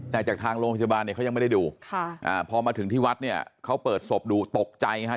แต่จากทางโรงพยาบาลเนี่ยเขายังไม่ได้ดูพอมาถึงที่วัดเนี่ยเขาเปิดศพดูตกใจฮะ